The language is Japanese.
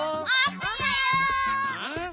おはよう！ん？